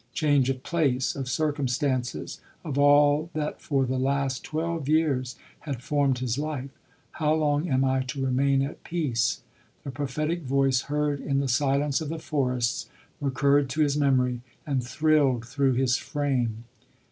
Change of place, of circumstances, — of all that for the last twelve years had formed his life. " How long am I to remain at peace ?"— the prophetic voice heard in the silence of the forests, recurred to his memory, and thrilled through his frame.